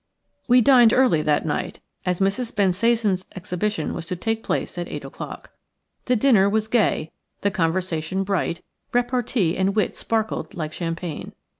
We dined early that night, as Mrs. Bensasan's exhibition was to take place at eight o'clock. The dinner was gay; the conversation bright; repartee and wit sparkled like champagne.